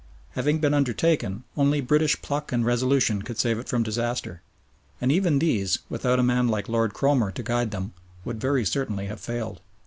Having been undertaken, only British pluck and resolution could save it from disaster, and even these, without a man like Lord Cromer to guide them, would very certainly have failed.